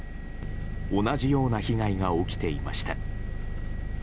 同じような被害が起きていました。